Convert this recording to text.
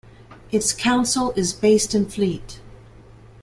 Its council is based in Fleet.